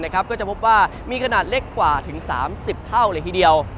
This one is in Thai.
ก็จะพบว่ามีขนาดเล็กกว่าถึง๓๐เท่าเลยทีเดียว